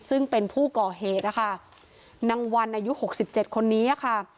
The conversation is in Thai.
ซึ่งเป็นผู้ก่อเหตุนะคะนางวันอายุหกสิบเจ็ดคนนี้ค่ะ